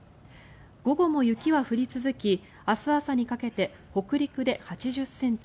午後も雪は降り続き明日朝にかけて北陸で８０ｃｍ